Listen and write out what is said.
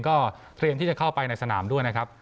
ก็เตรียมที่จะเข้าไปในสนามด้วยนะครับ